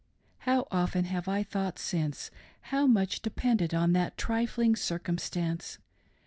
How often have 1 thought since how much depended upon that trifling circumstance.